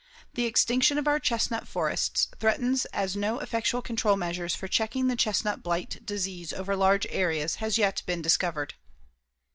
The extinction of our chestnut forests threatens as no effectual control measures for checking the chestnut blight disease over large areas has yet been discovered.